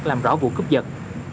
làm rõ vụ cướp giật